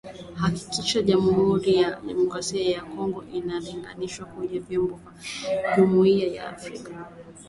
Kuhakikisha Jamuhuri ya Kidemokrasia ya Kongo inaunganishwa kwenye vyombo vya Jumuiya ya Afrika Mashariki